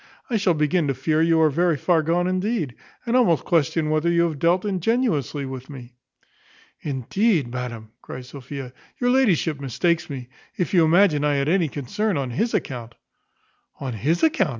I shall begin to fear you are very far gone indeed; and almost question whether you have dealt ingenuously with me." "Indeed, madam," cries Sophia, "your ladyship mistakes me, if you imagine I had any concern on his account." "On his account!"